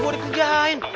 murah aja gue kecil